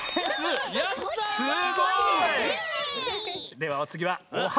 ではおつぎは「オハ！